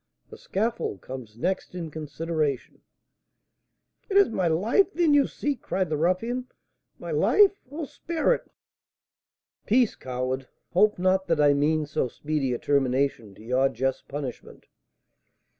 The scaffold comes next in consideration " "It is my life, then, you seek!" cried the ruffian. "My life! Oh, spare it!" "Peace, coward! Hope not that I mean so speedy a termination to your just punishment.